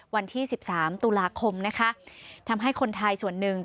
วันที่๑๓ตุลาคมทำให้คนไทยส่วนหนึ่ง